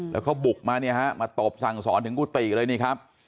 แล้วเขาบุกมาเนี่ยฮะมาตบสั่งสอนถึงกุฏิเลยนี่ครับ